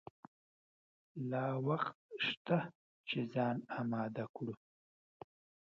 لا وخت شته چې ځان آمده کړو.